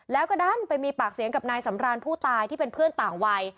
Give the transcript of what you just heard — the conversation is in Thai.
แล้วก็ดันไปมีปากเสียงกับนายสำรานผู้ตายที่เป็นเพื่อนต่างวัย